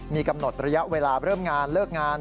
มีกำหนดระยะเวลาเริ่มงานเลิกงาน